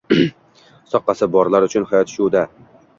Soqqasi borlar uchun hayot shu-da!